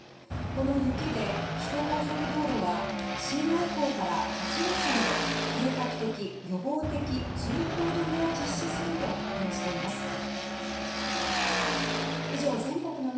この雪で首都高速道路は深夜以降から８路線で計画的・予防的通行止めを実施すると発表しています。